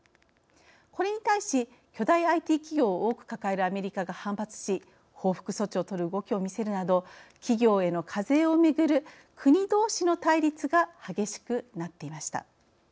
これに対し巨大ＩＴ企業を多く抱えるアメリカが反発し報復措置を取る動きを見せるなど企業への課税をめぐる国どうしの対立が激しくなっていました。